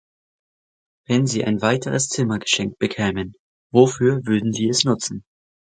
Wenn Sie in weiteres Zimmer geschenkt bekämen, wofür würden Sie es nutzen?